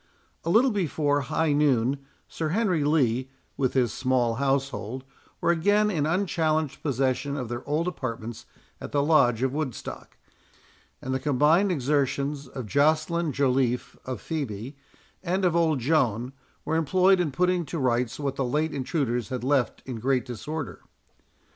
A little before high noon, Sir Henry Lee, with his small household, were again in unchallenged possession of their old apartments at the Lodge of Woodstock; and the combined exertions of Joceline Joliffe, of Phœbe, and of old Joan, were employed in putting to rights what the late intruders had left in great disorder.